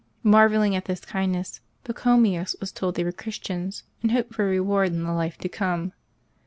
Marvelling at this kind ness, Pachomius was told they were Christians, and hoped for a reward in the life to come.